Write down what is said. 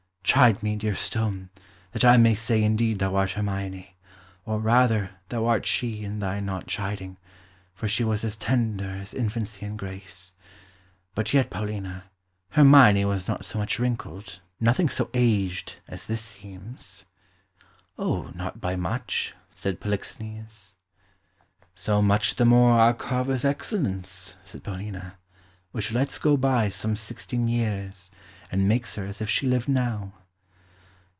"Chide me, dear stone, that I may say indeed thou art Hermione; or, rather, thou art she in thy not chiding, for she was as tender as infancy and grace. But yet, Paulina, Hermione was not so much wrinkled, nothing so aged, as this seems." "O, not by much," said Polixenes. [Illustration: "O, thus she stood ... when first I wooed her!"] "So much the more our carver's excellence," said Paulina, "which lets go by some sixteen years, and makes her as if she lived now."